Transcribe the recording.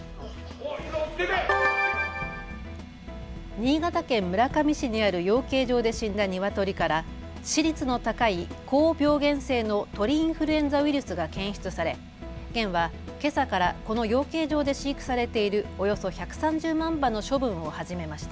新潟県村上市にある養鶏場で死んだニワトリから致死率の高い高病原性の鳥インフルエンザウイルスが検出され、県はけさからこの養鶏場で飼育されているおよそ１３０万羽の処分を始めました。